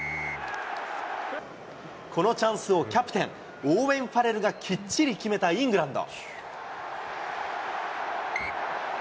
このチャンスをキャプテン、オーウェン・ファレルがきっちり決めたイングランド。